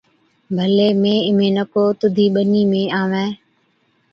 ’ڀلَي، مين اِمهين نڪو تُڌي ٻنِي ۾ آوَين